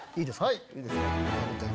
はい。